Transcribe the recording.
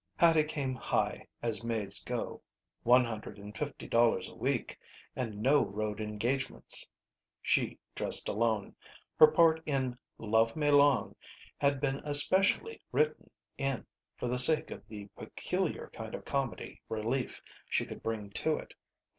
Hattie came high, as maids go. One hundred and fifty dollars a week and no road engagements. She dressed alone. Her part in "Love Me Long" had been especially written in for the sake of the peculiar kind of comedy relief she could bring to it.